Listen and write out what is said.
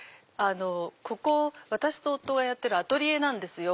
ここ私と夫がやってるアトリエなんですよ。